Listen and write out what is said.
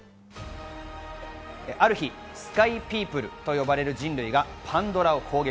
ある日、スカイピープルと呼ばれる人類がパンドラを攻撃。